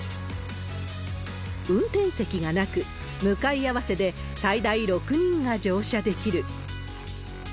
運転席がなく、向かい合わせで、最大６人が乗車できる。